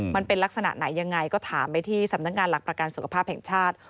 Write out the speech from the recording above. มันเป็นลักษณะไหนยังไงก็ถามไปที่สำนักงานหลักประกันสุขภาพแห่งชาติ